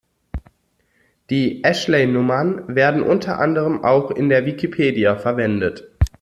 Die Ashley-Nummern werden unter anderem auch in der Wikipedia verwendet.